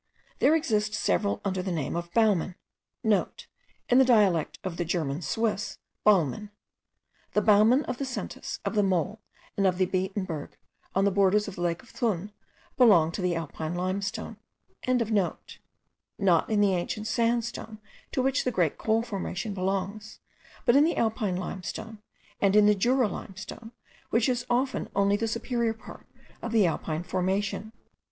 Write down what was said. There exist several under the name of baumen,* (* In the dialect of the German Swiss, Balmen. The Baumen of the Sentis, of the Mole, and of the Beatenberg, on the borders of the lake of Thun, belong to the Alpine limestone.) not in the ancient sandstone to which the great coal formation belongs, but in the Alpine limestone, and in the Jura limestone, which is often only the superior part of the Alpine formation.